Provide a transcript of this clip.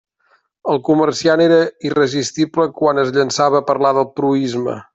El comerciant era irresistible quan es llançava a parlar del proïsme.